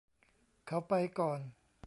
เขาไปก่อน